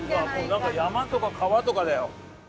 なんか山とか川とかだよ。